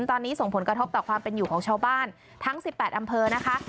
ตอนนี้ส่งผลกระทบต่อความเป็นอยู่ของชาวบ้านทั้ง๑๘อำเภอนะคะ